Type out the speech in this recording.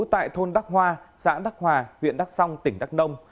tại thôn đắc hoa xã đắc hòa huyện đắc song tỉnh đắc đông